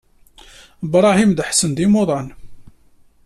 Bṛahim d aḥsen d imuḍan.